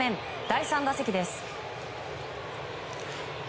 第３打席です。